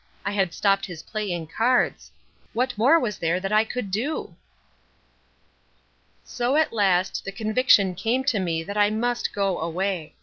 I had stopped his playing cards. What more was there that I could do? So at last the conviction came to me that I must go away.